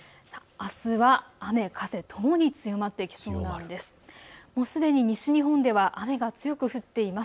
あすは雨風ともに強まってきそうです。